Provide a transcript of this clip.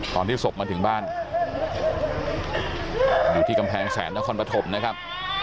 ตอนที่ศพมาถึงบ้านอยู่ที่กำแพงแสนนครปฐมนะครับ